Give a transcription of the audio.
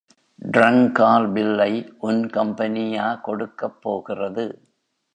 டிரங்கால் பில்லை உன் கம்பெனியா கொடுக்கப் போகிறது.